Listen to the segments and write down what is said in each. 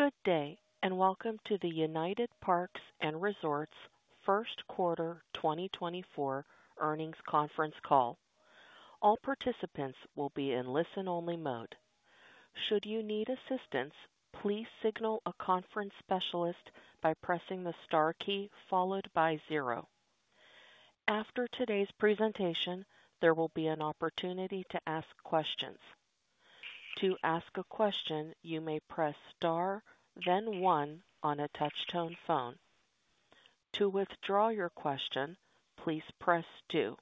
Good day and welcome to the United Parks & Resorts First Quarter 2024 earnings conference call. All participants will be in listen-only mode. Should you need assistance, please signal a conference specialist by pressing the star key followed by zero. After today's presentation, there will be an opportunity to ask questions. To ask a question, you may press star then one on a touch-tone phone. To withdraw your question, please press two.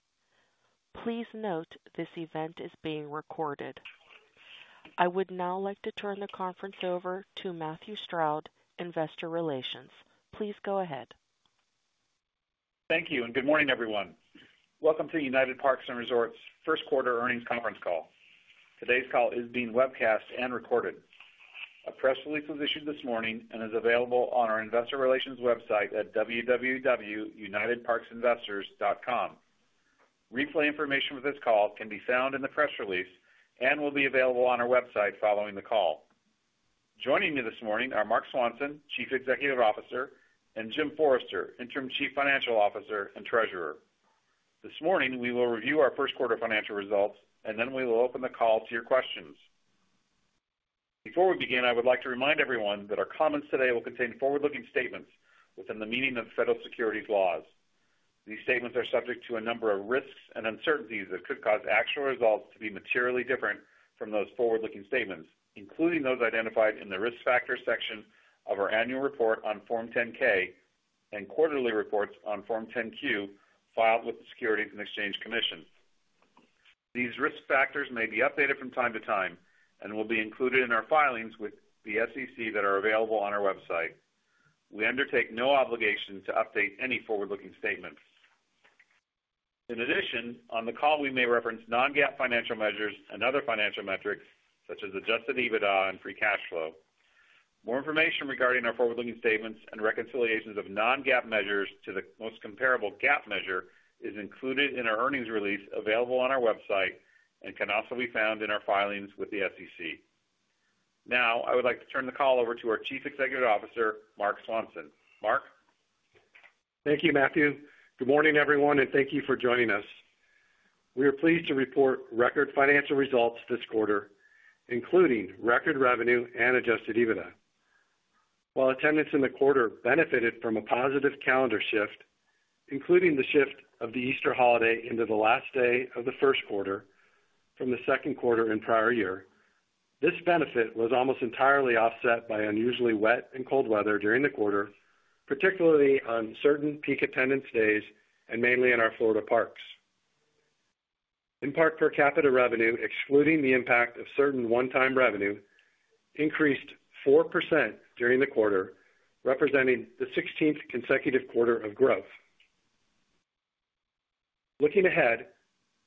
Please note this event is being recorded. I would now like to turn the conference over to Matthew Stroud, Investor Relations. Please go ahead. Thank you, and good morning, everyone. Welcome to the United Parks & Resorts first quarter earnings conference call. Today's call is being webcast and recorded. A press release was issued this morning and is available on our Investor Relations website at www.unitedparksinvestors.com. Replay information for this call can be found in the press release and will be available on our website following the call. Joining me this morning are Marc Swanson, Chief Executive Officer, and Jim Forrester, Interim Chief Financial Officer and Treasurer. This morning we will review our first quarter financial results, and then we will open the call to your questions. Before we begin, I would like to remind everyone that our comments today will contain forward-looking statements within the meaning of federal securities laws. These statements are subject to a number of risks and uncertainties that could cause actual results to be materially different from those forward-looking statements, including those identified in the risk factors section of our annual report on Form 10-K and quarterly reports on Form 10-Q filed with the Securities and Exchange Commission. These risk factors may be updated from time to time and will be included in our filings with the SEC that are available on our website. We undertake no obligation to update any forward-looking statements. In addition, on the call we may reference Non-GAAP financial measures and other financial metrics such as Adjusted EBITDA and free cash flow. More information regarding our forward-looking statements and reconciliations of Non-GAAP measures to the most comparable GAAP measure is included in our earnings release available on our website and can also be found in our filings with the SEC. Now I would like to turn the call over to our Chief Executive Officer, Marc Swanson. Marc? Thank you, Matthew. Good morning, everyone, and thank you for joining us. We are pleased to report record financial results this quarter, including record revenue and Adjusted EBITDA. While attendance in the quarter benefited from a positive calendar shift, including the shift of the Easter holiday into the last day of the first quarter from the second quarter in prior year, this benefit was almost entirely offset by unusually wet and cold weather during the quarter, particularly on certain peak attendance days and mainly in our Florida parks. In-park per capita revenue, excluding the impact of certain one-time revenue, increased 4% during the quarter, representing the 16th consecutive quarter of growth. Looking ahead,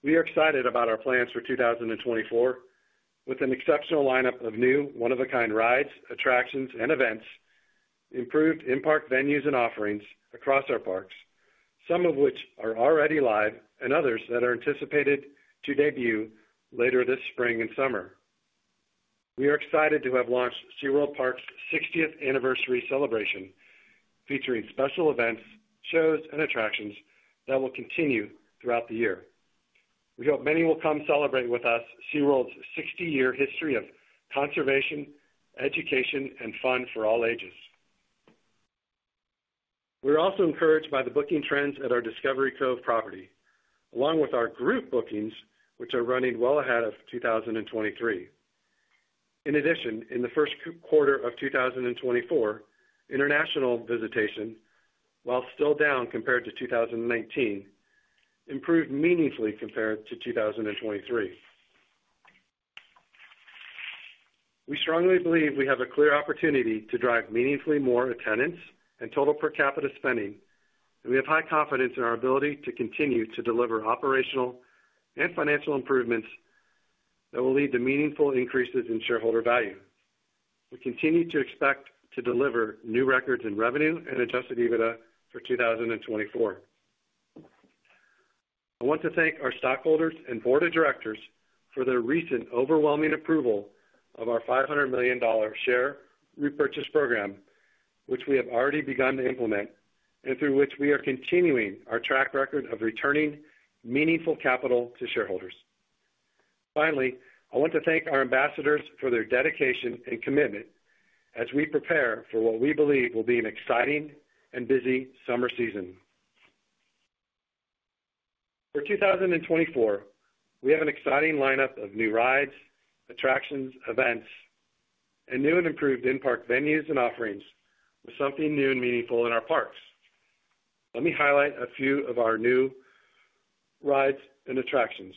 we are excited about our plans for 2024 with an exceptional lineup of new one-of-a-kind rides, attractions, and events, improved in-park venues and offerings across our parks, some of which are already live and others that are anticipated to debut later this spring and summer. We are excited to have launched SeaWorld's park 60th anniversary celebration, featuring special events, shows, and attractions that will continue throughout the year. We hope many will come celebrate with us SeaWorld's 60-year history of conservation, education, and fun for all ages. We are also encouraged by the booking trends at our Discovery Cove property, along with our group bookings, which are running well ahead of 2023. In addition, in the first quarter of 2024, international visitation, while still down compared to 2019, improved meaningfully compared to 2023. We strongly believe we have a clear opportunity to drive meaningfully more attendance and total per capita spending, and we have high confidence in our ability to continue to deliver operational and financial improvements that will lead to meaningful increases in shareholder value. We continue to expect to deliver new records in revenue and Adjusted EBITDA for 2024. I want to thank our stockholders and board of directors for their recent overwhelming approval of our $500 million share repurchase program, which we have already begun to implement and through which we are continuing our track record of returning meaningful capital to shareholders. Finally, I want to thank our Ambassadors for their dedication and commitment as we prepare for what we believe will be an exciting and busy summer season. For 2024, we have an exciting lineup of new rides, attractions, events, and new and improved in-park venues and offerings with something new and meaningful in our parks. Let me highlight a few of our new rides and attractions,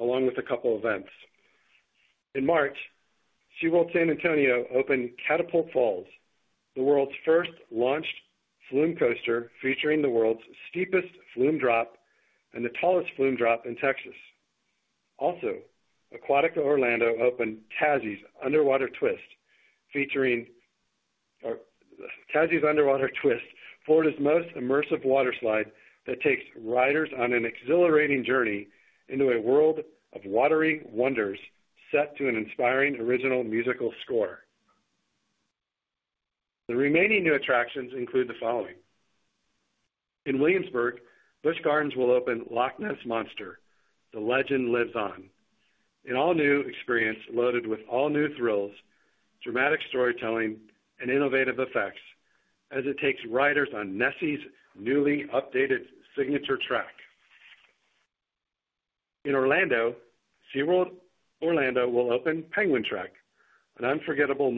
along with a couple of events. In March, SeaWorld San Antonio opened Catapult Falls, the world's first launched flume coaster featuring the world's steepest flume drop and the tallest flume drop in Texas. Also, Aquatica Orlando opened Tassie's Underwater Twist, Florida's most immersive waterslide that takes riders on an exhilarating journey into a world of watery wonders set to an inspiring original musical score. The remaining new attractions include the following: In Williamsburg, Busch Gardens will open Loch Ness Monster: The Legend Lives On, an all-new experience loaded with all-new thrills, dramatic storytelling, and innovative effects as it takes riders on Nessie's newly updated signature track. In Orlando, SeaWorld Orlando will open Penguin Trek, an unforgettable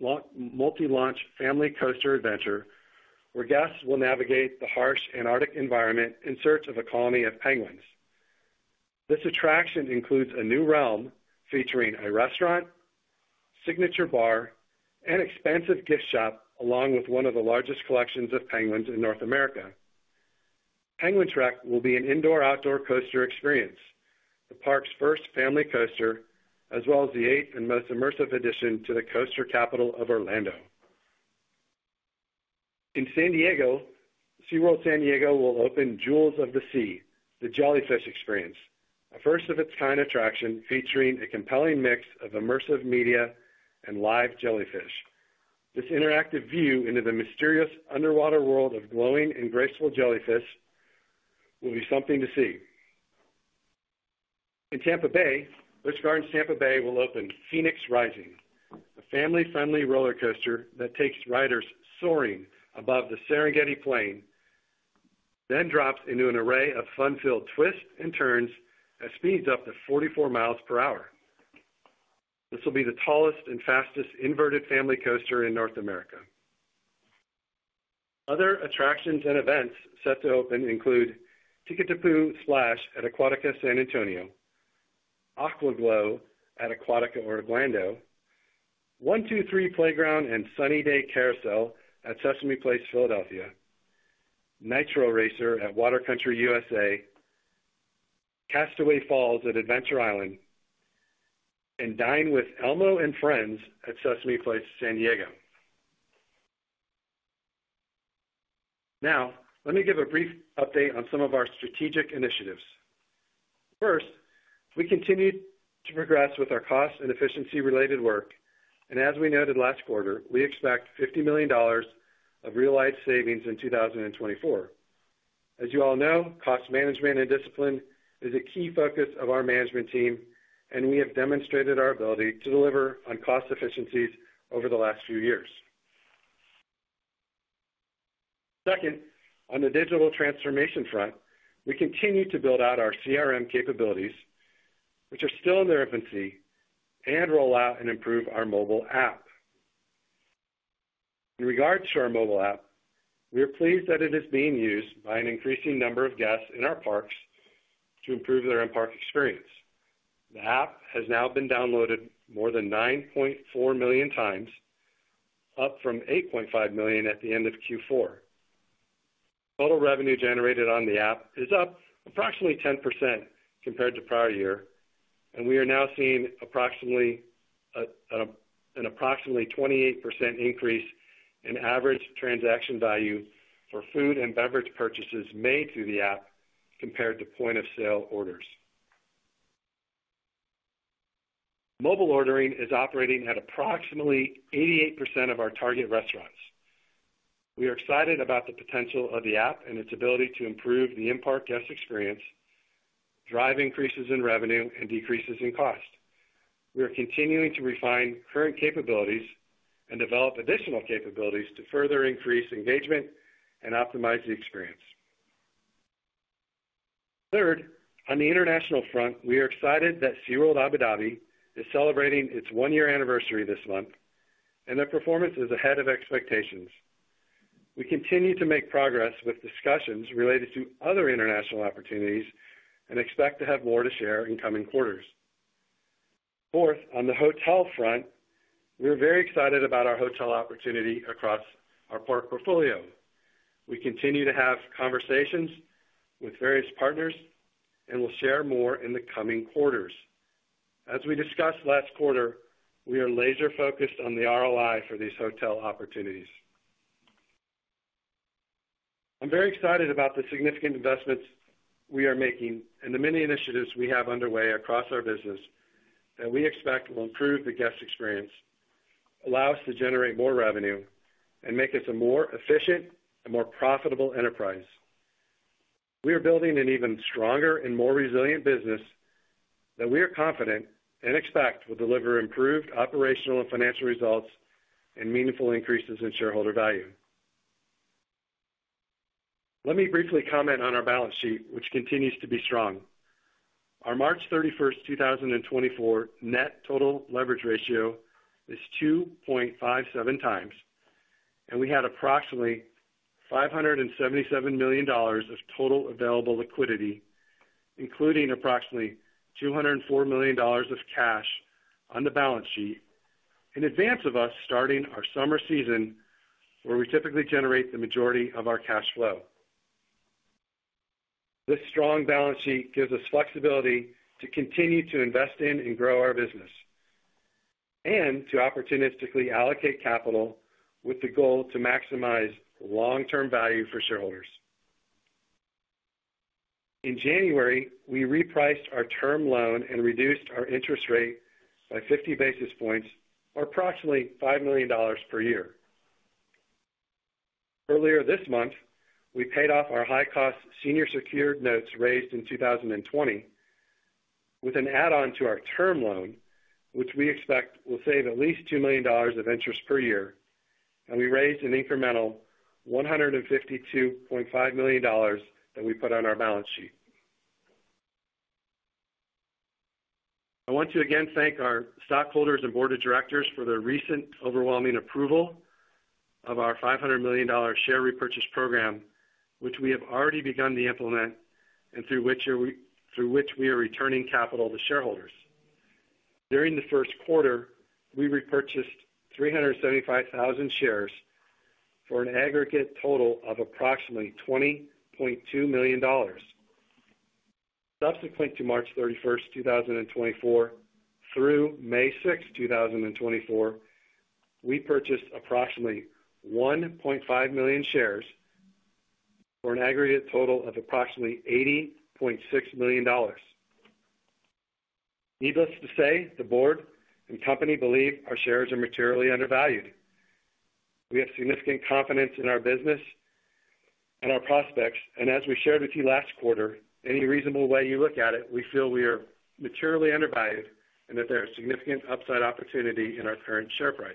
multi-launch family coaster adventure where guests will navigate the harsh Antarctic environment in search of a colony of penguins. This attraction includes a new realm featuring a restaurant, signature bar, and expensive gift shop along with one of the largest collections of penguins in North America. Penguin Trek will be an indoor-outdoor coaster experience, the park's first family coaster, as well as the eighth and most immersive addition to the coaster capital of Orlando. In San Diego, SeaWorld San Diego will open Jewels of the Sea: The Jellyfish Experience, a first-of-its-kind attraction featuring a compelling mix of immersive media and live jellyfish. This interactive view into the mysterious underwater world of glowing and graceful jellyfish will be something to see. In Tampa Bay, Busch Gardens Tampa Bay will open Phoenix Rising, a family-friendly roller coaster that takes riders soaring above the Serengeti Plain, then drops into an array of fun-filled twists and turns at speeds up to 44 mph. This will be the tallest and fastest inverted family coaster in North America. Other attractions and events set to open include Tikitapu Splash at Aquatica San Antonio, AquaGlow at Aquatica Orlando, 1-2-3 Playground and Sunny Day Carousel at Sesame Place Philadelphia, Nitro Racer at Water Country USA, Castaway Falls at Adventure Island, and Dine with Elmo and Friends at Sesame Place San Diego. Now, let me give a brief update on some of our strategic initiatives. First, we continue to progress with our cost and efficiency-related work, and as we noted last quarter, we expect $50 million of realized savings in 2024. As you all know, cost management and discipline is a key focus of our management team, and we have demonstrated our ability to deliver on cost efficiencies over the last few years. Second, on the digital transformation front, we continue to build out our CRM capabilities, which are still in their infancy, and roll out and improve our mobile app. In regards to our mobile app, we are pleased that it is being used by an increasing number of guests in our parks to improve their in-park experience. The app has now been downloaded more than 9.4 million times, up from 8.5 million at the end of Q4. Total revenue generated on the app is up approximately 10% compared to prior year, and we are now seeing an approximately 28% increase in average transaction value for food and beverage purchases made through the app compared to point-of-sale orders. Mobile ordering is operating at approximately 88% of our target restaurants. We are excited about the potential of the app and its ability to improve the in-park guest experience, drive increases in revenue, and decreases in cost. We are continuing to refine current capabilities and develop additional capabilities to further increase engagement and optimize the experience. Third, on the international front, we are excited that SeaWorld Abu Dhabi is celebrating its one-year anniversary this month, and their performance is ahead of expectations. We continue to make progress with discussions related to other international opportunities and expect to have more to share in coming quarters. Fourth, on the hotel front, we are very excited about our hotel opportunity across our park portfolio. We continue to have conversations with various partners and will share more in the coming quarters. As we discussed last quarter, we are laser-focused on the ROI for these hotel opportunities. I'm very excited about the significant investments we are making and the many initiatives we have underway across our business that we expect will improve the guest experience, allow us to generate more revenue, and make us a more efficient and more profitable enterprise. We are building an even stronger and more resilient business that we are confident and expect will deliver improved operational and financial results and meaningful increases in shareholder value. Let me briefly comment on our balance sheet, which continues to be strong. Our March 31st, 2024, net total leverage ratio is 2.57x, and we had approximately $577 million of total available liquidity, including approximately $204 million of cash on the balance sheet in advance of us starting our summer season, where we typically generate the majority of our cash flow. This strong balance sheet gives us flexibility to continue to invest in and grow our business and to opportunistically allocate capital with the goal to maximize long-term value for shareholders. In January, we repriced our term loan and reduced our interest rate by 50 basis points, or approximately $5 million per year. Earlier this month, we paid off our high-cost senior secured notes raised in 2020 with an add-on to our term loan, which we expect will save at least $2 million of interest per year, and we raised an incremental $152.5 million that we put on our balance sheet. I want to again thank our stockholders and board of directors for their recent overwhelming approval of our $500 million share repurchase program, which we have already begun to implement and through which we are returning capital to shareholders. During the first quarter, we repurchased 375,000 shares for an aggregate total of approximately $20.2 million. Subsequent to March 31st, 2024, through May 6, 2024, we purchased approximately 1.5 million shares for an aggregate total of approximately $80.6 million. Needless to say, the board and company believe our shares are materially undervalued. We have significant confidence in our business and our prospects, and as we shared with you last quarter, any reasonable way you look at it, we feel we are materially undervalued and that there is significant upside opportunity in our current share price.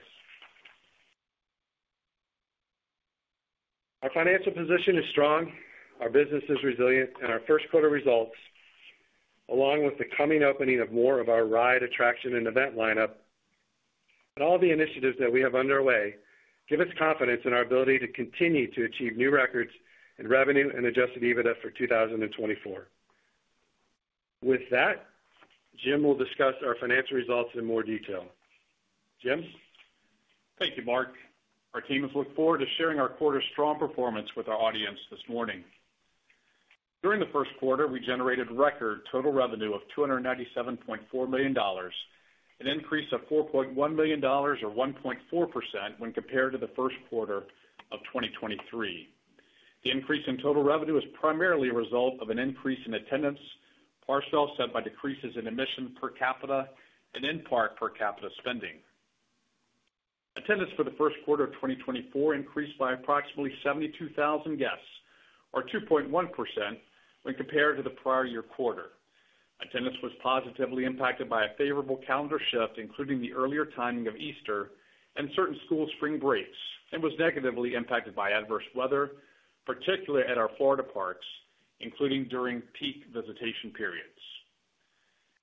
Our financial position is strong, our business is resilient, and our first quarter results, along with the coming opening of more of our ride, attraction, and event lineup, and all of the initiatives that we have underway, give us confidence in our ability to continue to achieve new records in revenue and Adjusted EBITDA for 2024. With that, Jim will discuss our financial results in more detail. Jim? Thank you, Marc. Our team has looked forward to sharing our quarter's strong performance with our audience this morning. During the first quarter, we generated record total revenue of $297.4 million, an increase of $4.1 million, or 1.4%, when compared to the first quarter of 2023. The increase in total revenue is primarily a result of an increase in attendance, partially offset by decreases in admission per capita and in-park per capita spending. Attendance for the first quarter of 2024 increased by approximately 72,000 guests, or 2.1%, when compared to the prior year quarter. Attendance was positively impacted by a favorable calendar shift, including the earlier timing of Easter and certain school spring breaks, and was negatively impacted by adverse weather, particularly at our Florida parks, including during peak visitation periods.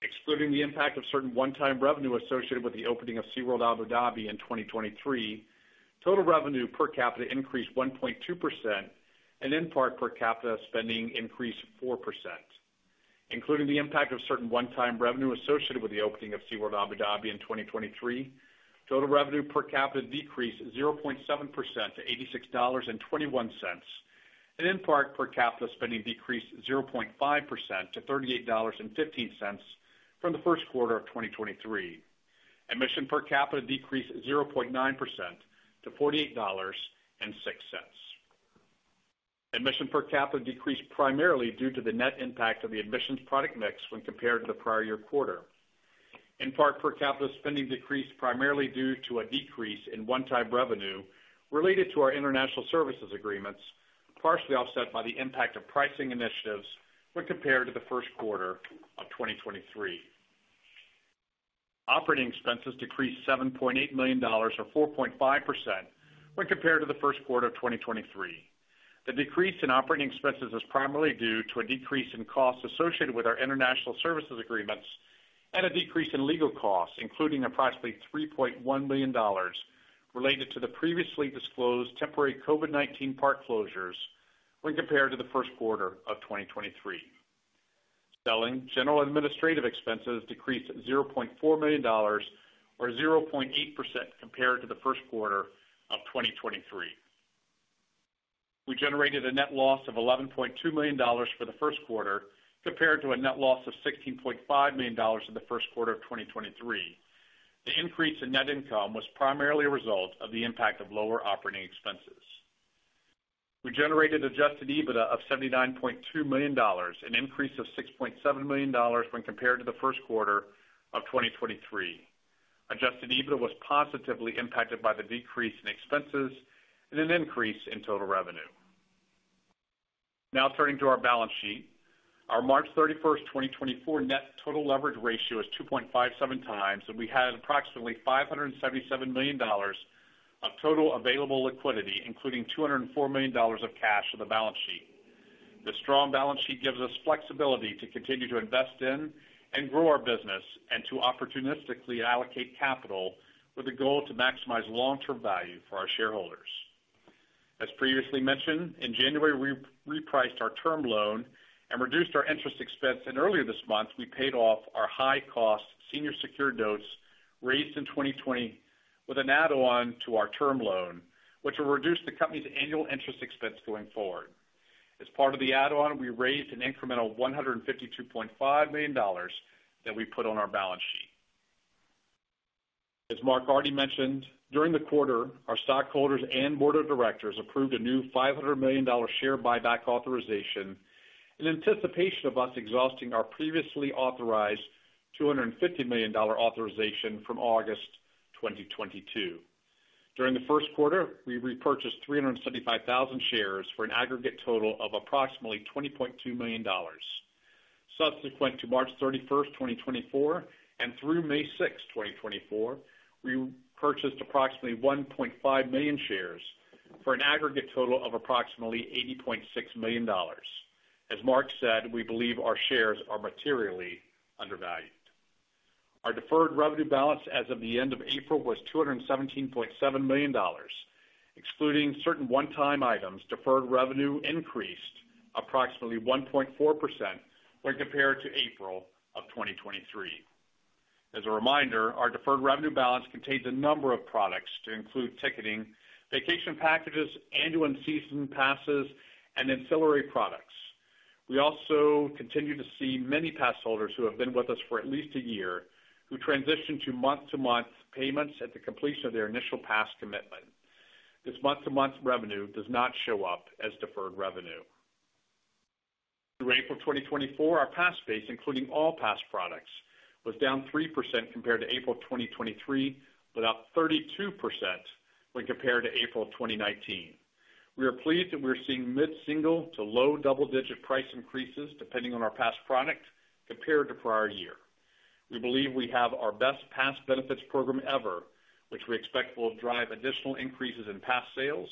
Excluding the impact of certain one-time revenue associated with the opening of SeaWorld Abu Dhabi in 2023, total revenue per capita increased 1.2%, and in-park per capita spending increased 4%. Including the impact of certain one-time revenue associated with the opening of SeaWorld Abu Dhabi in 2023, total revenue per capita decreased 0.7% to $86.21, and in-park per capita spending decreased 0.5% to $38.15 from the first quarter of 2023. Admission per capita decreased 0.9% to $48.06. Admission per capita decreased primarily due to the net impact of the admissions product mix when compared to the prior year quarter. In-park per capita spending decreased primarily due to a decrease in one-time revenue related to our international services agreements, partially offset by the impact of pricing initiatives when compared to the first quarter of 2023. Operating expenses decreased $7.8 million, or 4.5%, when compared to the first quarter of 2023. The decrease in operating expenses is primarily due to a decrease in costs associated with our international services agreements and a decrease in legal costs, including approximately $3.1 million related to the previously disclosed temporary COVID-19 park closures when compared to the first quarter of 2023. Selling general administrative expenses decreased $0.4 million, or 0.8%, compared to the first quarter of 2023. We generated a net loss of $11.2 million for the first quarter compared to a net loss of $16.5 million in the first quarter of 2023. The increase in net income was primarily a result of the impact of lower operating expenses. We generated Adjusted EBITDA of $79.2 million, an increase of $6.7 million when compared to the first quarter of 2023. Adjusted EBITDA was positively impacted by the decrease in expenses and an increase in total revenue. Now turning to our balance sheet, our March 31st, 2024, net total leverage ratio is 2.57x, and we had approximately $577 million of total available liquidity, including $204 million of cash on the balance sheet. This strong balance sheet gives us flexibility to continue to invest in and grow our business and to opportunistically allocate capital with the goal to maximize long-term value for our shareholders. As previously mentioned, in January, we repriced our term loan and reduced our interest expense, and earlier this month, we paid off our high-cost senior secured notes raised in 2020 with an add-on to our term loan, which will reduce the company's annual interest expense going forward. As part of the add-on, we raised an incremental $152.5 million that we put on our balance sheet. As Marc already mentioned, during the quarter, our stockholders and board of directors approved a new $500 million share buyback authorization in anticipation of us exhausting our previously authorized $250 million authorization from August 2022. During the first quarter, we repurchased 375,000 shares for an aggregate total of approximately $20.2 million. Subsequent to March 31st, 2024, and through May 6, 2024, we purchased approximately 1.5 million shares for an aggregate total of approximately $80.6 million. As Marc said, we believe our shares are materially undervalued. Our deferred revenue balance as of the end of April was $217.7 million, excluding certain one-time items. Deferred revenue increased approximately 1.4% when compared to April of 2023. As a reminder, our deferred revenue balance contains a number of products to include ticketing, vacation packages, annual and season passes, and ancillary products. We also continue to see many passholders who have been with us for at least a year who transition to month-to-month payments at the completion of their initial pass commitment. This month-to-month revenue does not show up as deferred revenue. Through April 2024, our pass base, including all pass products, was down 3% compared to April 2023, but up 32% when compared to April 2019. We are pleased that we are seeing mid-single to low double-digit price increases depending on our pass product compared to prior year. We believe we have our best pass benefits program ever, which we expect will drive additional increases in pass sales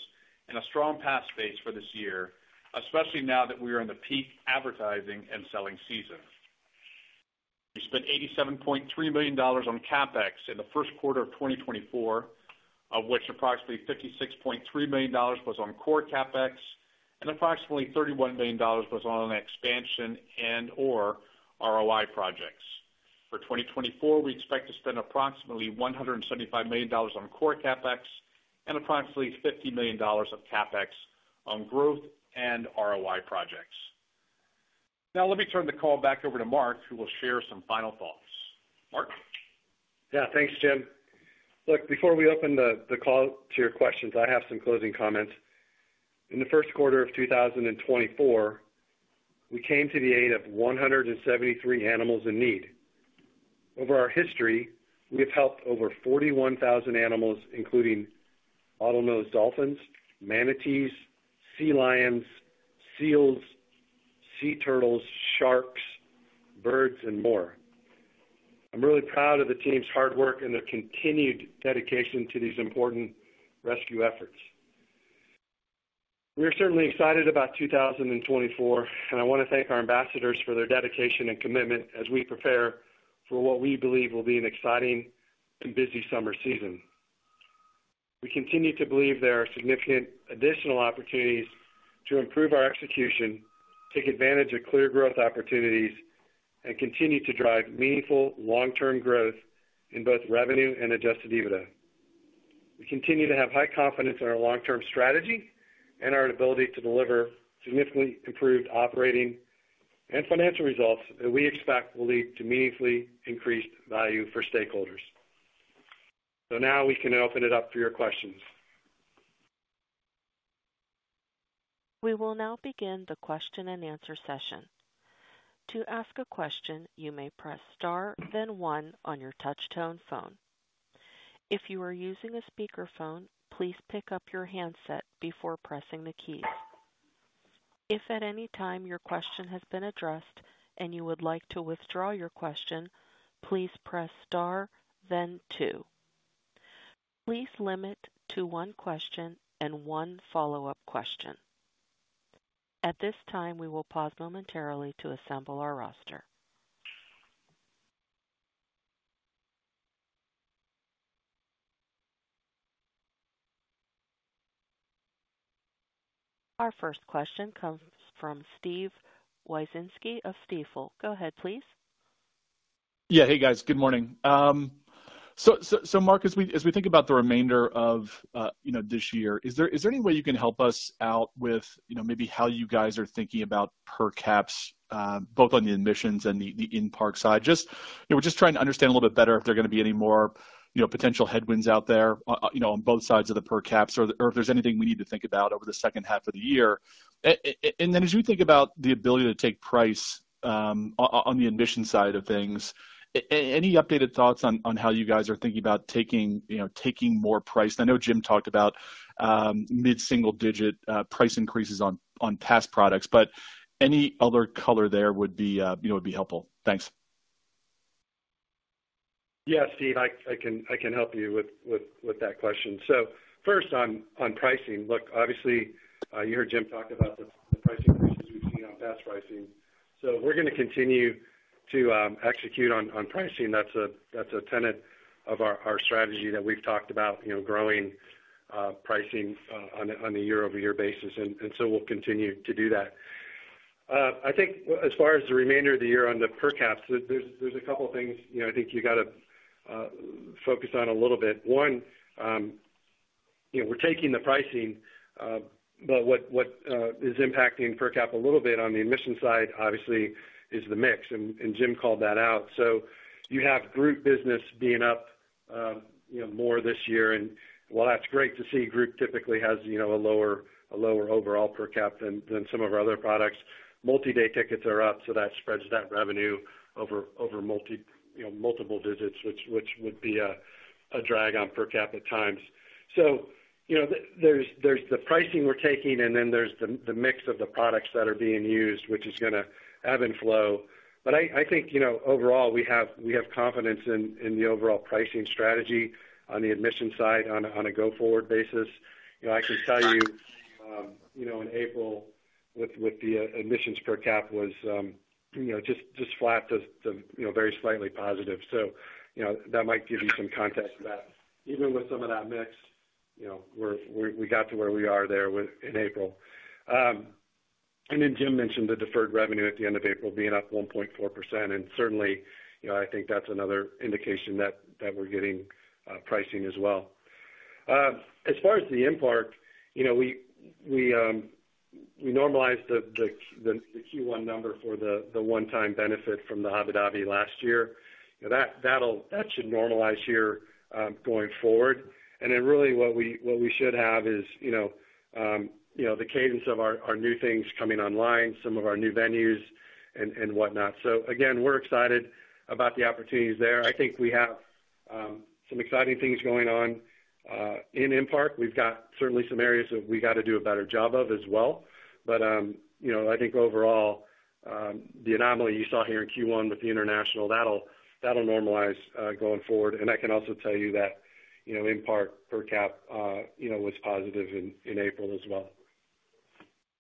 and a strong pass base for this year, especially now that we are in the peak advertising and selling season. We spent $87.3 million on CapEx in the first quarter of 2024, of which approximately $56.3 million was on core CapEx and approximately $31 million was on expansion and/or ROI projects. For 2024, we expect to spend approximately $175 million on core CapEx and approximately $50 million of CapEx on growth and ROI projects. Now let me turn the call back over to Marc, who will share some final thoughts. Marc? Yeah, thanks, Jim. Look, before we open the call to your questions, I have some closing comments. In the first quarter of 2024, we came to the aid of 173 animals in need. Over our history, we have helped over 41,000 animals, including bottlenose dolphins, manatees, sea lions, seals, sea turtles, sharks, birds, and more. I'm really proud of the team's hard work and their continued dedication to these important rescue efforts. We are certainly excited about 2024, and I want to thank our ambassadors for their dedication and commitment as we prepare for what we believe will be an exciting and busy summer season. We continue to believe there are significant additional opportunities to improve our execution, take advantage of clear growth opportunities, and continue to drive meaningful long-term growth in both revenue and Adjusted EBITDA. We continue to have high confidence in our long-term strategy and our ability to deliver significantly improved operating and financial results that we expect will lead to meaningfully increased value for stakeholders. So now we can open it up for your questions. We will now begin the question-and-answer session. To ask a question, you may press star, then one on your touch-tone phone. If you are using a speakerphone, please pick up your handset before pressing the keys. If at any time your question has been addressed and you would like to withdraw your question, please press star, then two. Please limit to one question and one follow-up question. At this time, we will pause momentarily to assemble our roster. Our first question comes from Steve Wieczynski of Stifel. Go ahead, please. Yeah, hey guys. Good morning. So, Marc, as we think about the remainder of this year, is there any way you can help us out with maybe how you guys are thinking about per caps, both on the admissions and the in-park side? We're just trying to understand a little bit better if there are going to be any more potential headwinds out there on both sides of the per caps or if there's anything we need to think about over the second half of the year. And then as you think about the ability to take price on the admission side of things, any updated thoughts on how you guys are thinking about taking more price? I know Jim talked about mid-single digit price increases on pass products, but any other color there would be helpful. Thanks. Yeah, Steve, I can help you with that question. So first, on pricing, look, obviously, you heard Jim talk about the price increases we've seen on pass pricing. So we're going to continue to execute on pricing. That's a tenet of our strategy that we've talked about, growing pricing on a year-over-year basis. We'll continue to do that. I think as far as the remainder of the year on the per caps, there's a couple of things I think you got to focus on a little bit. One, we're taking the pricing, but what is impacting per cap a little bit on the admission side, obviously, is the mix, and Jim called that out. So you have group business being up more this year, and while that's great to see, group typically has a lower overall per cap than some of our other products. Multi-day tickets are up, so that spreads that revenue over multiple visits, which would be a drag on per cap at times. So there's the pricing we're taking, and then there's the mix of the products that are being used, which is going to ebb and flow. I think overall, we have confidence in the overall pricing strategy on the admission side on a go-forward basis. I can tell you in April, with the admissions per cap, was just flat to very slightly positive. So that might give you some context to that. Even with some of that mix, we got to where we are there in April. Then Jim mentioned the deferred revenue at the end of April being up 1.4%, and certainly, I think that's another indication that we're getting pricing as well. As far as the in-park, we normalized the Q1 number for the one-time benefit from the Abu Dhabi last year. That should normalize here going forward. And then really what we should have is the cadence of our new things coming online, some of our new venues, and whatnot. So again, we're excited about the opportunities there. I think we have some exciting things going on in in-park. We've got certainly some areas that we got to do a better job of as well. But I think overall, the anomaly you saw here in Q1 with the international, that'll normalize going forward. And I can also tell you that in-park per cap was positive in April as well.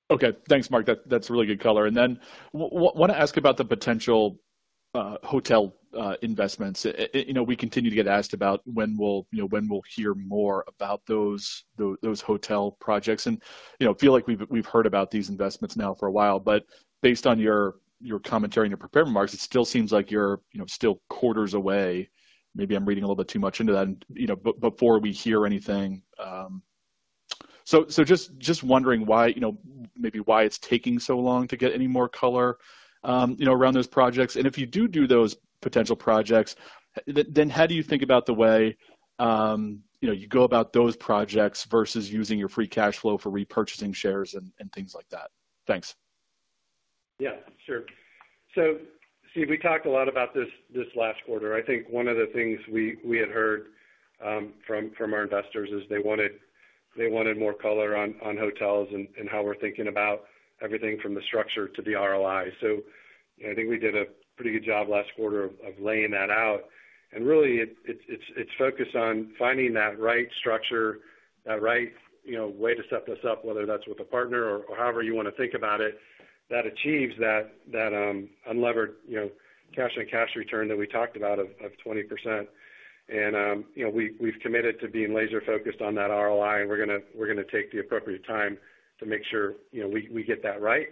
Okay. Thanks, Marc. That's a really good color. And then I want to ask about the potential hotel investments. We continue to get asked about when we'll hear more about those hotel projects. And I feel like we've heard about these investments now for a while, but based on your commentary and your prepared remarks, it still seems like you're still quarters away. Maybe I'm reading a little bit too much into that before we hear anything. Just wondering, maybe, why it's taking so long to get any more color around those projects? And if you do do those potential projects, then how do you think about the way you go about those projects versus using your free cash flow for repurchasing shares and things like that? Thanks. Yeah, sure. So, Steve, we talked a lot about this last quarter. I think one of the things we had heard from our investors is they wanted more color on hotels and how we're thinking about everything from the structure to the ROI. So I think we did a pretty good job last quarter of laying that out. Really, it's focused on finding that right structure, that right way to set this up, whether that's with a partner or however you want to think about it, that achieves that unlevered cash-on-cash return that we talked about of 20%. We've committed to being laser-focused on that ROI, and we're going to take the appropriate time to make sure we get that right.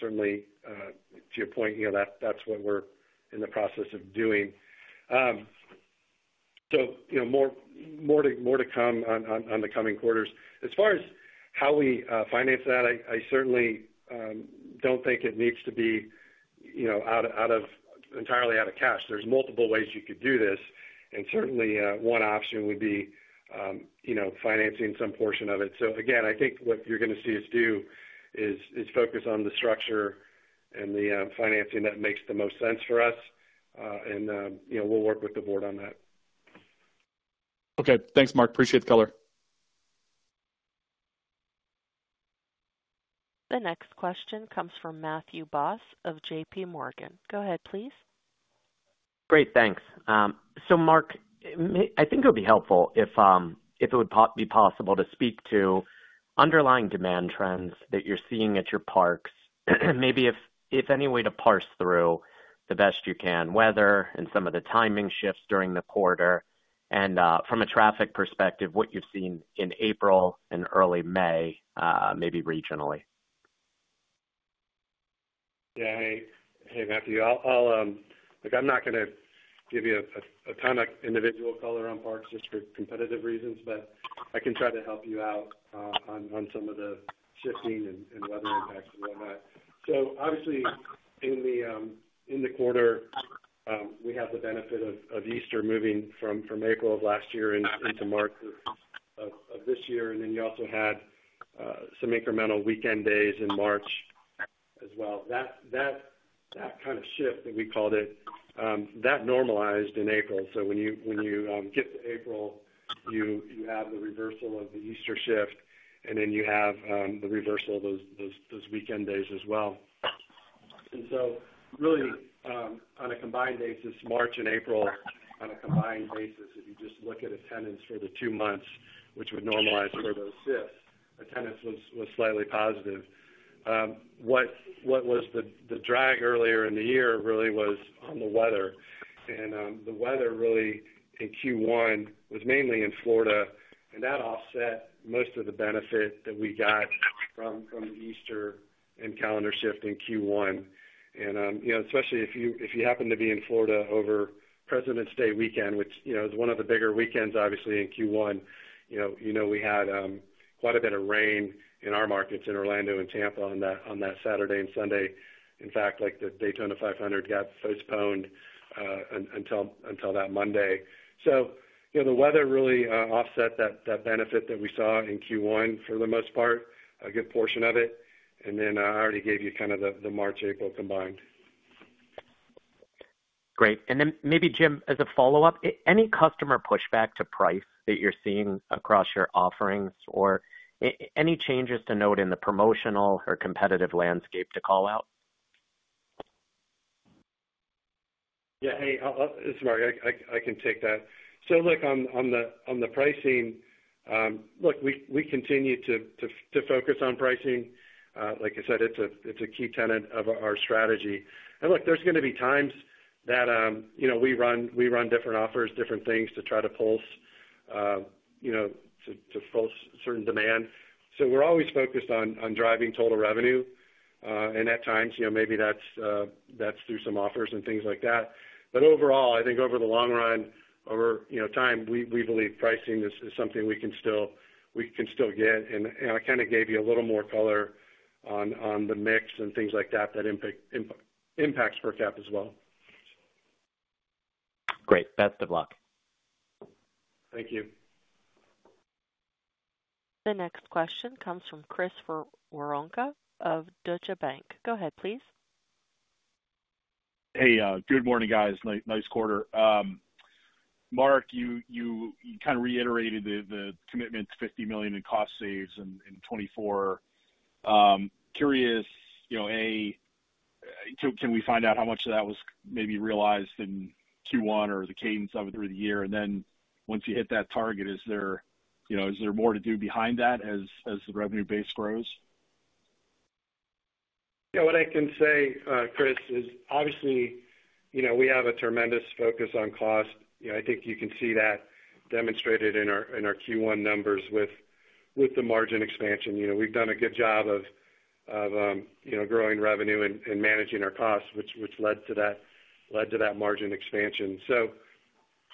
Certainly, to your point, that's what we're in the process of doing. More to come on the coming quarters. As far as how we finance that, I certainly don't think it needs to be entirely out of cash. There's multiple ways you could do this, and certainly one option would be financing some portion of it. Again, I think what you're going to see us do is focus on the structure and the financing that makes the most sense for us, and we'll work with the board on that. Okay. Thanks, Marc. Appreciate the color. The next question comes from Matthew Boss of JPMorgan. Go ahead, please. Great. Thanks. So, Marc, I think it would be helpful if it would be possible to speak to underlying demand trends that you're seeing at your parks, maybe if any way to parse through the best you can, weather and some of the timing shifts during the quarter, and from a traffic perspective, what you've seen in April and early May, maybe regionally. Yeah. Hey, Matthew. Look, I'm not going to give you a ton of individual color on parks just for competitive reasons, but I can try to help you out on some of the shifting and weather impacts and whatnot. So obviously, in the quarter, we have the benefit of Easter moving from April of last year into March of this year, and then you also had some incremental weekend days in March as well. That kind of shift, that we called it, that normalized in April. So when you get to April, you have the reversal of the Easter shift, and then you have the reversal of those weekend days as well. And so really, on a combined basis, March and April, on a combined basis, if you just look at attendance for the two months, which would normalize for those shifts, attendance was slightly positive. What was the drag earlier in the year really was on the weather. The weather really in Q1 was mainly in Florida, and that offset most of the benefit that we got from the Easter and calendar shift in Q1. Especially if you happen to be in Florida over President's Day weekend, which is one of the bigger weekends, obviously, in Q1, you know we had quite a bit of rain in our markets in Orlando and Tampa on that Saturday and Sunday. In fact, the Daytona 500 got postponed until that Monday. So the weather really offset that benefit that we saw in Q1 for the most part, a good portion of it. Then I already gave you kind of the March-April combined. Great. And then maybe, Jim, as a follow-up, any customer pushback to price that you're seeing across your offerings or any changes to note in the promotional or competitive landscape to call out? Yeah. Hey, this is Marc. I can take that. So look, on the pricing, look, we continue to focus on pricing. Like I said, it's a key tenet of our strategy. And look, there's going to be times that we run different offers, different things to try to pulse to certain demand. So we're always focused on driving total revenue, and at times, maybe that's through some offers and things like that. But overall, I think over the long run, over time, we believe pricing is something we can still get. And I kind of gave you a little more color on the mix and things like that that impacts per cap as well. Great. Best of luck. Thank you. The next question comes from Chris Woronka of Deutsche Bank. Go ahead, please. Hey, good morning, guys. Nice quarter. Marc, you kind of reiterated the commitment to $50 million in cost saves in 2024. Curious, A, can we find out how much of that was maybe realized in Q1 or the cadence of it through the year? And then once you hit that target, is there more to do behind that as the revenue base grows? Yeah. What I can say, Chris, is obviously, we have a tremendous focus on cost. I think you can see that demonstrated in our Q1 numbers with the margin expansion. We've done a good job of growing revenue and managing our costs, which led to that margin expansion.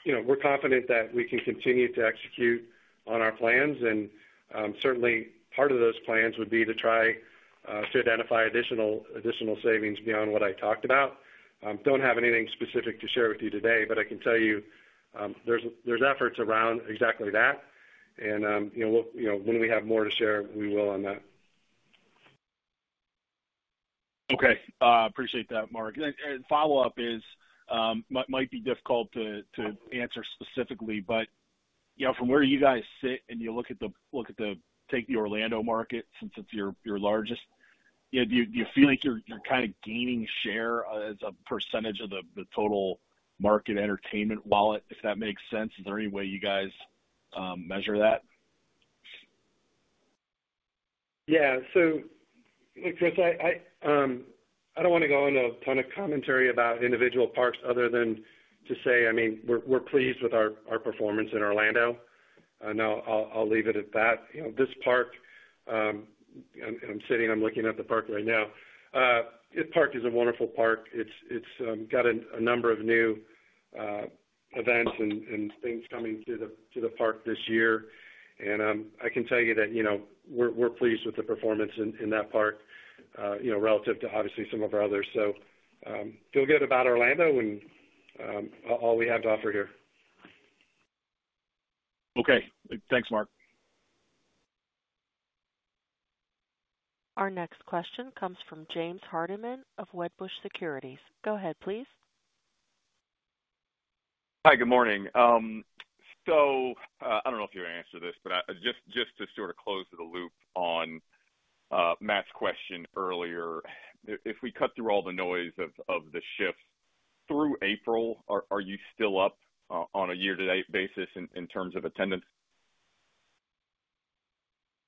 We're confident that we can continue to execute on our plans, and certainly, part of those plans would be to try to identify additional savings beyond what I talked about. Don't have anything specific to share with you today, but I can tell you there's efforts around exactly that. And when we have more to share, we will on that. Okay. Appreciate that, Marc. And follow-up might be difficult to answer specifically, but from where you guys sit and you look at the Orlando market since it's your largest, do you feel like you're kind of gaining share as a percentage of the total market entertainment wallet, if that makes sense? Is there any way you guys measure that? Yeah. So look, Chris, I don't want to go on a ton of commentary about individual parks other than to say, I mean, we're pleased with our performance in Orlando. And I'll leave it at that. This park, and I'm sitting, I'm looking at the park right now. This park is a wonderful park. It's got a number of new events and things coming to the park this year. And I can tell you that we're pleased with the performance in that park relative to, obviously, some of our others. So feel good about Orlando and all we have to offer here. Okay. Thanks, Marc. Our next question comes from James Hardiman of Wedbush Securities. Go ahead, please. Hi. Good morning. I don't know if you answered this, but just to sort of close the loop on Matt's question earlier, if we cut through all the noise of the shift through April, are you still up on a year-to-date basis in terms of attendance?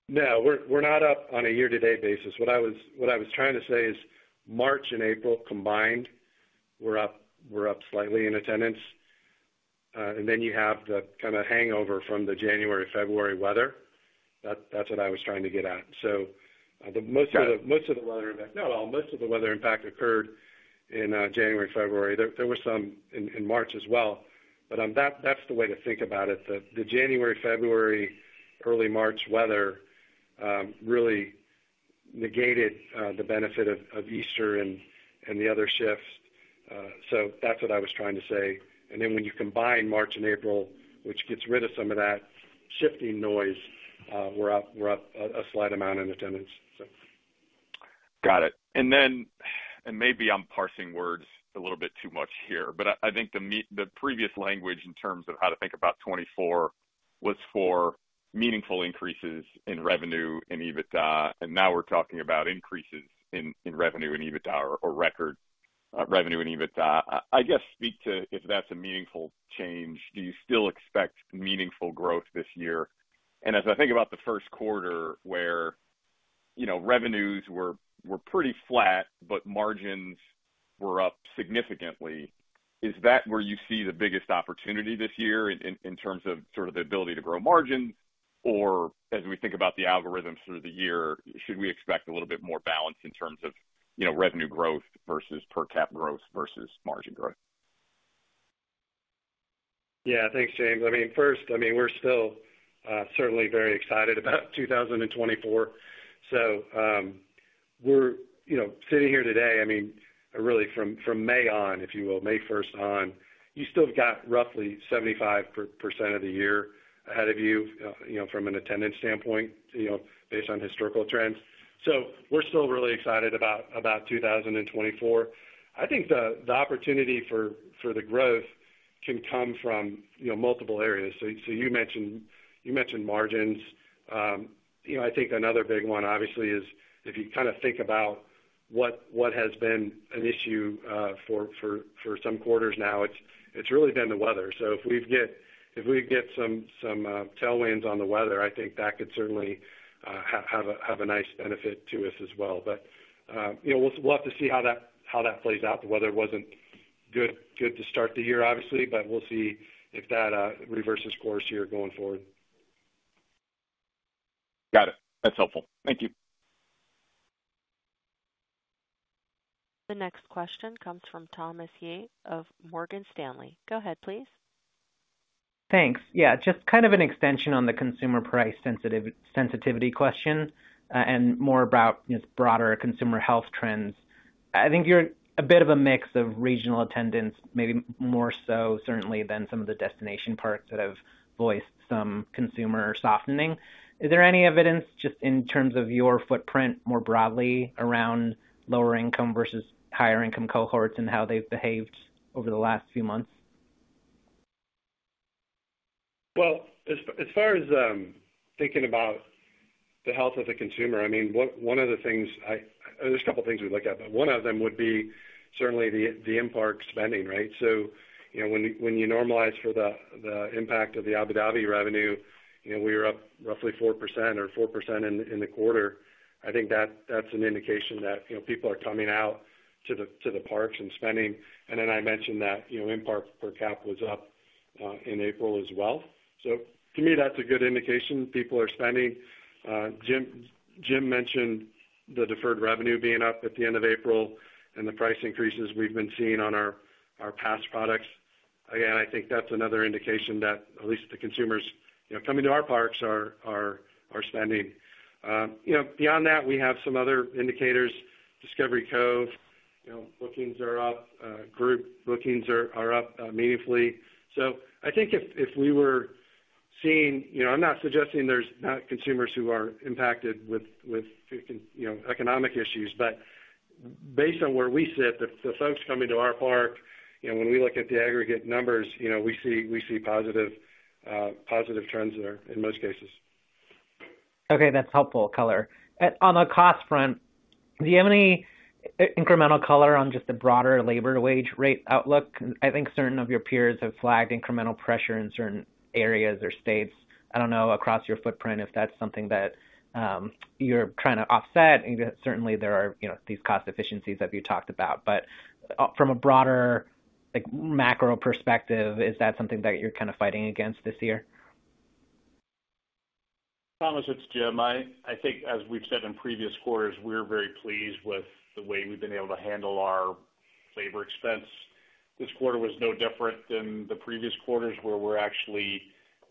No. We're not up on a year-to-date basis. What I was trying to say is March and April combined, we're up slightly in attendance. And then you have the kind of hangover from the January, February weather. That's what I was trying to get at. So most of the weather impact not at all. Most of the weather impact occurred in January, February. There was some in March as well. But that's the way to think about it. The January, February, early March weather really negated the benefit of Easter and the other shifts. So that's what I was trying to say. Then when you combine March and April, which gets rid of some of that shifting noise, we're up a slight amount in attendance, so. Got it. And maybe I'm parsing words a little bit too much here, but I think the previous language in terms of how to think about 2024 was for meaningful increases in revenue in EBITDA, and now we're talking about increases in revenue in EBITDA or record revenue in EBITDA. I guess speak to if that's a meaningful change. Do you still expect meaningful growth this year? And as I think about the first quarter where revenues were pretty flat, but margins were up significantly, is that where you see the biggest opportunity this year in terms of sort of the ability to grow margins? Or, as we think about the algorithms through the year, should we expect a little bit more balance in terms of revenue growth versus per cap growth versus margin growth? Yeah. Thanks, James. I mean, first, I mean, we're still certainly very excited about 2024. So we're sitting here today, I mean, really from May on, if you will, May 1st on, you still got roughly 75% of the year ahead of you from an attendance standpoint based on historical trends. So we're still really excited about 2024. I think the opportunity for the growth can come from multiple areas. So you mentioned margins. I think another big one, obviously, is if you kind of think about what has been an issue for some quarters now. It's really been the weather. If we get some tailwinds on the weather, I think that could certainly have a nice benefit to us as well. But we'll have to see how that plays out. The weather wasn't good to start the year, obviously, but we'll see if that reverses course here going forward. Got it. That's helpful. Thank you. The next question comes from Thomas Yeh of Morgan Stanley. Go ahead, please. Thanks. Yeah. Just kind of an extension on the consumer price sensitivity question and more about broader consumer health trends. I think you're a bit of a mix of regional attendance, maybe more so, certainly, than some of the destination parks that have voiced some consumer softening. Is there any evidence just in terms of your footprint more broadly around lower-income versus higher-income cohorts and how they've behaved over the last few months? Well, as far as thinking about the health of the consumer, I mean, one of the things there's a couple of things we look at, but one of them would be certainly the in-park spending, right? So when you normalize for the impact of the Abu Dhabi revenue, we were up roughly 4% or 4% in the quarter. I think that's an indication that people are coming out to the parks and spending. And then I mentioned that in-park per cap was up in April as well. So to me, that's a good indication. People are spending. Jim mentioned the deferred revenue being up at the end of April and the price increases we've been seeing on our pass products. Again, I think that's another indication that at least the consumers coming to our parks are spending. Beyond that, we have some other indicators. Discovery Cove bookings are up. Group bookings are up meaningfully. So I think if we were seeing—I'm not suggesting there's not consumers who are impacted with economic issues, but based on where we sit, the folks coming to our park, when we look at the aggregate numbers, we see positive trends there in most cases. Okay. That's helpful color. On the cost front, do you have any incremental color on just the broader labor wage rate outlook? I think certain of your peers have flagged incremental pressure in certain areas or states. I don't know across your footprint if that's something that you're trying to offset. Certainly, there are these cost efficiencies that you talked about. But from a broader macro perspective, is that something that you're kind of fighting against this year? Thomas, it's Jim. I think as we've said in previous quarters, we're very pleased with the way we've been able to handle our labor expense. This quarter was no different than the previous quarters where we're actually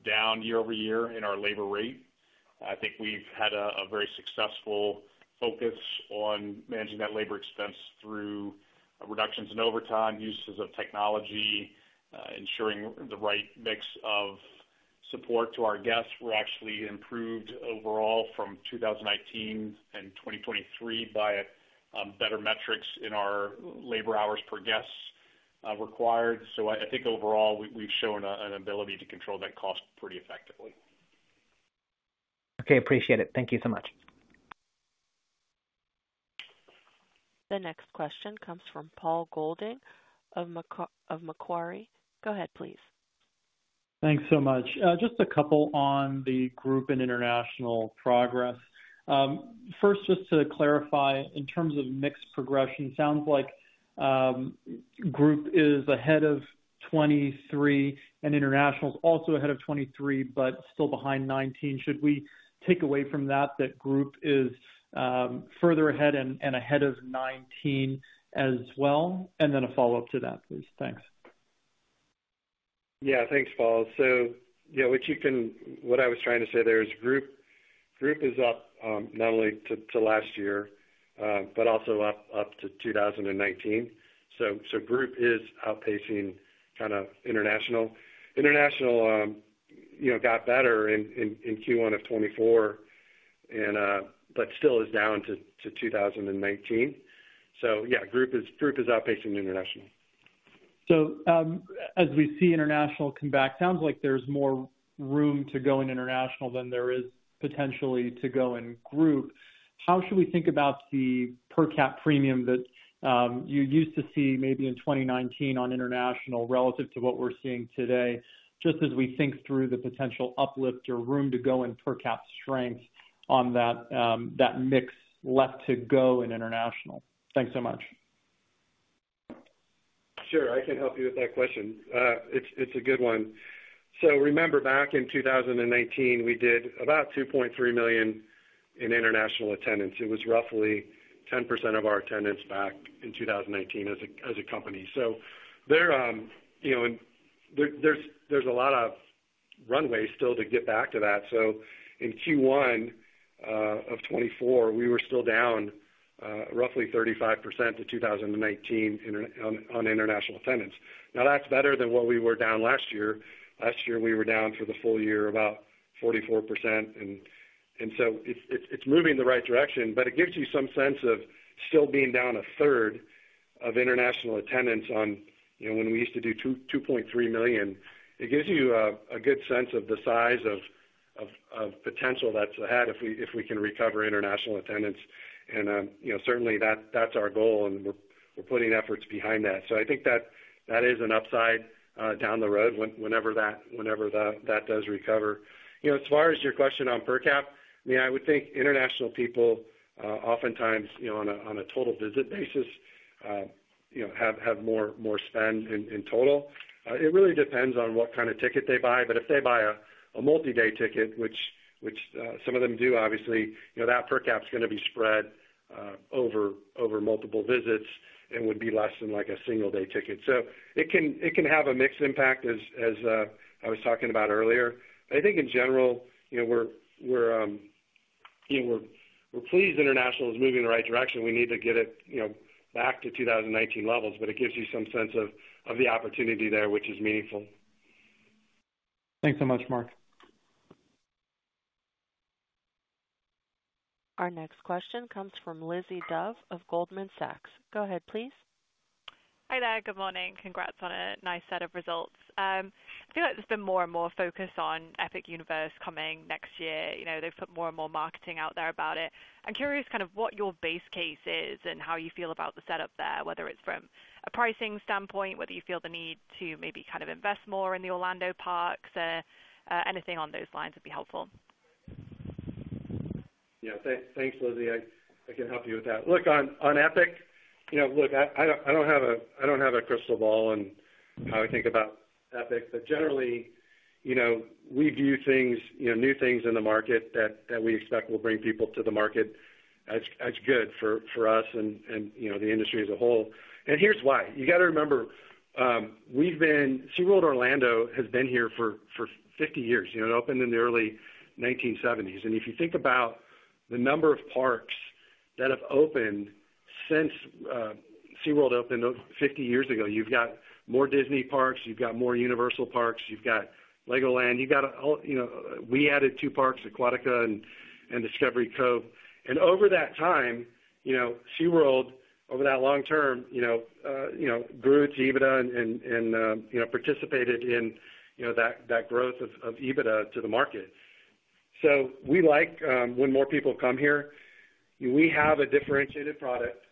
down year over year in our labor rate. I think we've had a very successful focus on managing that labor expense through reductions in overtime, uses of technology, ensuring the right mix of support to our guests. We're actually improved overall from 2019 and 2023 by better metrics in our labor hours per guest required. So I think overall, we've shown an ability to control that cost pretty effectively. Okay. Appreciate it. Thank you so much. The next question comes from Paul Golding of Macquarie. Go ahead, please. Thanks so much. Just a couple on the Group and International progress. First, just to clarify, in terms of mixed progression, sounds like Group is ahead of 2023 and International is also ahead of 2023 but still behind 2019. Should we take away from that that Group is further ahead and ahead of 2019 as well? And then a follow-up to that, please. Thanks. Yeah. Thanks, Paul. So what I was trying to say there, is Group is up not only to last year but also up to 2019. So Group is outpacing kind of International. International got better in Q1 of 2024 but still is down to 2019. So yeah, Group is outpacing International. As we see International come back, sounds like there's more room to go in International than there is potentially to go in Group. How should we think about the per cap premium that you used to see maybe in 2019 on International relative to what we're seeing today just as we think through the potential uplift or room to go in per cap strength on that mix left to go in International? Thanks so much. Sure. I can help you with that question. It's a good one. So remember, back in 2019, we did about 2.3 million in international attendance. It was roughly 10% of our attendance back in 2019 as a company. There's a lot of runway still to get back to that. In Q1 of 2024, we were still down roughly 35% to 2019 on international attendance. Now, that's better than what we were down last year. Last year, we were down for the full year about 44%. It's moving the right direction, but it gives you some sense of still being down a third of international attendance on when we used to do 2.3 million. It gives you a good sense of the size of potential that's ahead if we can recover international attendance. Certainly, that's our goal, and we're putting efforts behind that. I think that is an upside down the road whenever that does recover. As far as your question on per cap, I mean, I would think international people oftentimes, on a total visit basis, have more spend in total. It really depends on what kind of ticket they buy. But if they buy a multi-day ticket, which some of them do, obviously, that per cap's going to be spread over multiple visits and would be less than a single-day ticket. It can have a mixed impact as I was talking about earlier. I think in general, we're pleased International is moving the right direction. We need to get it back to 2019 levels, but it gives you some sense of the opportunity there, which is meaningful. Thanks so much, Marc. Our next question comes from Lizzie Dove of Goldman Sachs. Go ahead, please. Hi there. Good morning. Congrats on a nice set of results. I feel like there's been more and more focus on Epic Universe coming next year. They've put more and more marketing out there about it. I'm curious kind of what your base case is and how you feel about the setup there, whether it's from a pricing standpoint, whether you feel the need to maybe kind of invest more in the Orlando parks, or anything on those lines would be helpful. Yeah. Thanks, Lizzie. I can help you with that. Look, on Epic, look, I don't have a crystal ball on how I think about Epic, but generally, we view new things in the market that we expect will bring people to the market as good for us and the industry as a whole. And here's why. You got to remember, SeaWorld Orlando has been here for 50 years. It opened in the early 1970s. And if you think about the number of parks that have opened since SeaWorld opened 50 years ago, you've got more Disney parks, you've got more Universal parks, you've got Legoland. You've got we added two parks, Aquatica and Discovery Cove. And over that time, SeaWorld, over that long term, grew to EBITDA and participated in that growth of EBITDA to the market. So we like when more people come here. We have a differentiated product.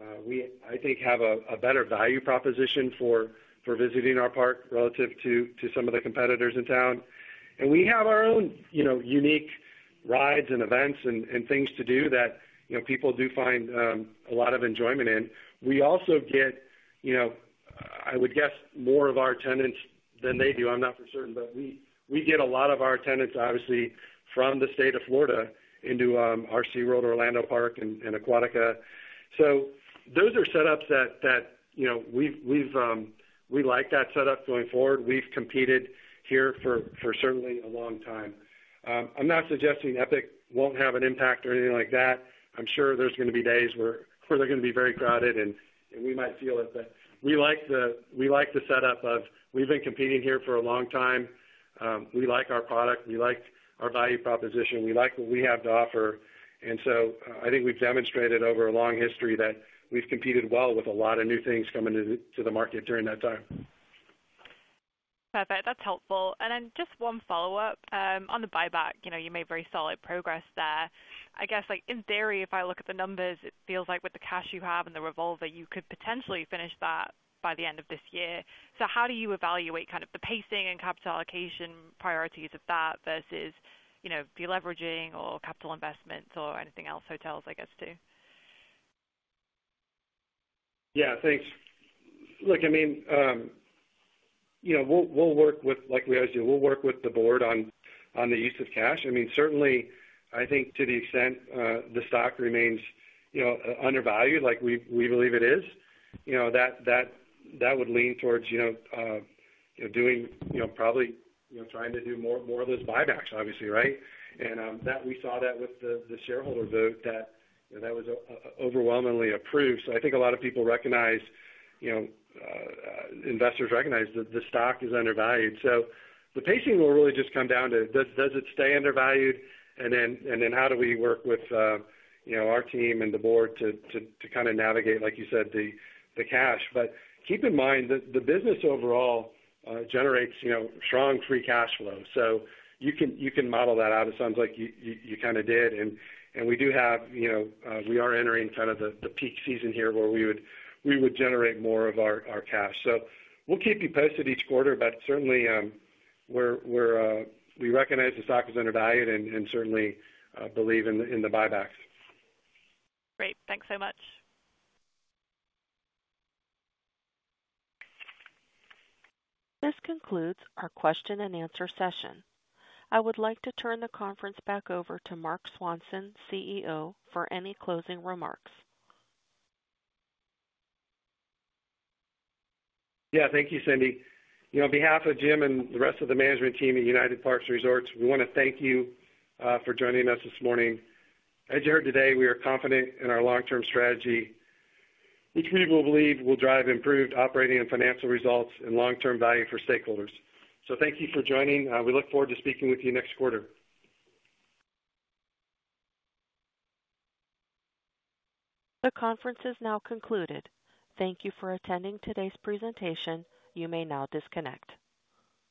I think we have a better value proposition for visiting our park relative to some of the competitors in town. And we have our own unique rides and events and things to do that people do find a lot of enjoyment in. We also get, I would guess, more of our attendance than they do. I'm not for certain, but we get a lot of our attendance, obviously, from the state of Florida into our SeaWorld Orlando and Aquatica. So those are setups that we like that setup going forward. We've competed here for certainly a long time. I'm not suggesting Epic won't have an impact or anything like that. I'm sure there's going to be days where they're going to be very crowded, and we might feel it. But we like the setup of we've been competing here for a long time. We like our product. We like our value proposition. We like what we have to offer. And so I think we've demonstrated over a long history that we've competed well with a lot of new things coming into the market during that time. Perfect. That's helpful. And then just one follow-up. On the buyback, you made very solid progress there. I guess in theory, if I look at the numbers, it feels like with the cash you have and the revolver, you could potentially finish that by the end of this year. So how do you evaluate kind of the pacing and capital allocation priorities of that versus de-leveraging or capital investments or anything else, hotels, I guess, too? Yeah. Thanks. Look, I mean, we'll work with like we always do, we'll work with the board on the use of cash. I mean, certainly, I think to the extent the stock remains undervalued, like we believe it is, that would lean towards doing probably trying to do more of those buybacks, obviously, right? And we saw that with the shareholder vote that that was overwhelmingly approved. So I think a lot of people recognize investors recognize that the stock is undervalued. So the pacing will really just come down to does it stay undervalued, and then how do we work with our team and the board to kind of navigate, like you said, the cash, but keep in mind that the business overall generates strong free cash flow. So you can model that out. It sounds like you kind of did. And we do have we are entering kind of the peak season here where we would generate more of our cash. We'll keep you posted each quarter, but certainly, we recognize the stock is undervalued and certainly believe in the buybacks. Great. Thanks so much. This concludes our question-and-answer session. I would like to turn the conference back over to Marc Swanson, CEO, for any closing remarks. Yeah. Thank you, Cindy. On behalf of Jim and the rest of the management team at United Parks & Resorts, we want to thank you for joining us this morning. As you heard today, we are confident in our long-term strategy. Each individual believes we'll drive improved operating and financial results and long-term value for stakeholders. So thank you for joining. We look forward to speaking with you next quarter. The conference is now concluded. Thank you for attending today's presentation. You may now disconnect.